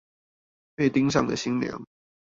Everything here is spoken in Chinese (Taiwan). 被盯上的新娘